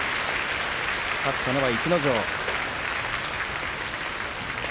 勝ったのは逸ノ城。